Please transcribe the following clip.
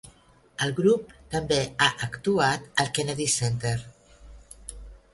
El grup també ha actuat al Kennedy Center.